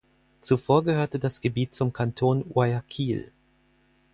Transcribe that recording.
Zuvor gehörte das Gebiet zum Kanton Guayaquil.